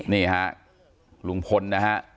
นี่ฮะลุงพลนะฮะ